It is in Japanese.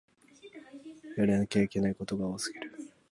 やらなきゃいけないことが多すぎる